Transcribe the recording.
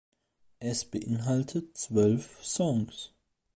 Es beinhaltet zwölf Songs.